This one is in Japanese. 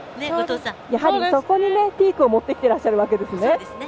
やはり、そこにピークを持ってきていらっしゃるわけですね。